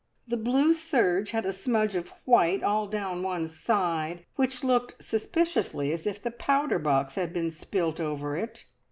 The blue serge had a smudge of white all down one side, which looked suspiciously as if the powder box had been spilt over it.